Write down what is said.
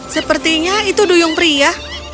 sepertinya itu duyung pria